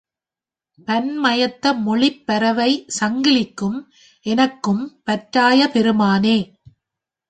பண்மயத்த மொழிப் பரவை சங்கிலிக்கும் எனக்கும் பற்றாய பெருமானே!